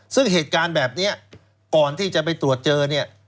ซึ่งเหตุการณ์แบบนี้ก่อนที่จะไปตรวจเจอเนี่ย